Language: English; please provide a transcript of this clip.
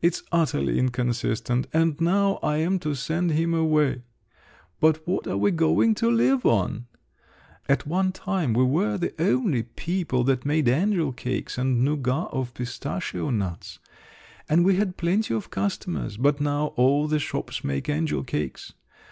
It's utterly inconsistent! And now I am to send him away! But what are we going to live on? At one time we were the only people that made angel cakes, and nougat of pistachio nuts, and we had plenty of customers; but now all the shops make angel cakes!